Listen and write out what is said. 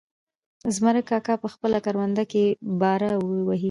زمرک کاکا په خپله کرونده کې باره وهي.